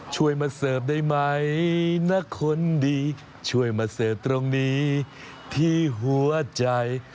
ช่วยมาเสิร์ฟได้ไหมนะคนดีช่วยมาเสิร์ฟตรงนี้ที่หัวใจ